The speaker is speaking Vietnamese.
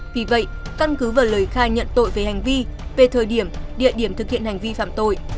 vì vậy căn cứ vào lời khai nhận tội về hành vi về thời điểm địa điểm thực hiện hành vi phạm tội